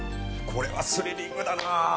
これはスリリングだな。